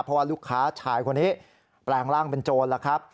เพราะว่าลูกค้าชายคนนี้แปลงร่างเป็นโจรแล้วครับ